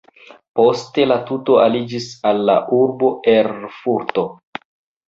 Poste la tuto aliĝis al la urbo Erfurto.